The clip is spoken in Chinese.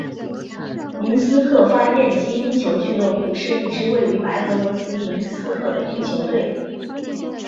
明斯克发电机冰球俱乐部是一支位于白俄罗斯明斯克的冰球队。